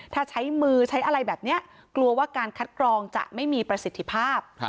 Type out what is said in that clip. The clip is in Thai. ถ้าใช้มือใช้อะไรแบบนี้กลัวว่าการคัดกรองจะไม่มีประสิทธิภาพ